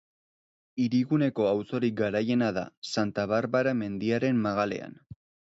Hiriguneko auzorik garaiena da, Santa Barbara mendiaren magalean.